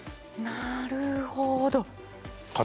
なるほど！